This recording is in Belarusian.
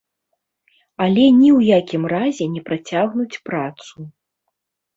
Але ні ў якім разе не працягнуць працу.